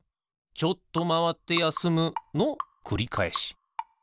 ちょっとまわってやすむのくりかえし。